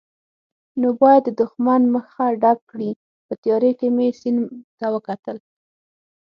نو باید د دښمن مخه ډب کړي، په تیارې کې مې سیند ته وکتل.